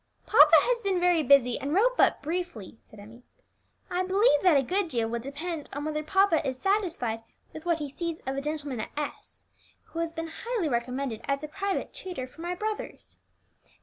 "Papa has been very busy, and wrote but briefly," said Emmie. "I believe that a good deal will depend on whether papa is satisfied with what he sees of a gentleman at S , who has been highly recommended as a private tutor for my brothers.